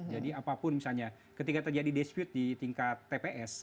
jadi apapun misalnya ketika terjadi dispute di tingkat tps